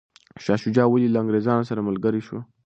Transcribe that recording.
شاه شجاع ولي له انګریزانو سره ملګری شو؟